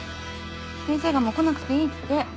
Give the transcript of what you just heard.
先生がもう来なくていいって。